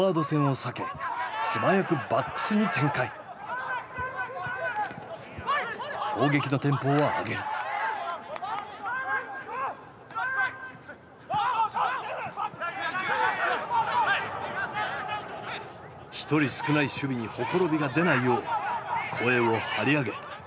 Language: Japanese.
１人少ない守備にほころびが出ないよう声を張り上げ指示を送る。